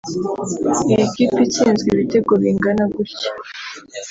Iyi kipe itsinzwe ibitego bingana gutya